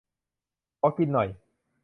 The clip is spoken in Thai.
ขอกินหน่อย